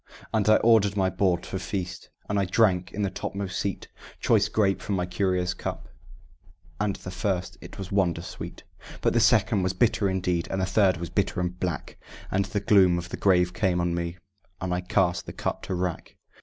And I ordered my board for feast; and I drank, in the topmost seat, Choice grape from a curious cup; and the first it was wonder sweet; But the second was bitter indeed, and the third was bitter and black, And the gloom of the grave came on me, and I cast the cup to wrack.